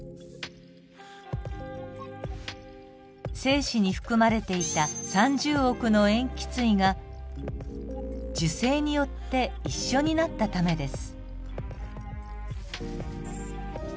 精子に含まれていた３０億の塩基対が受精によって一緒になったためです。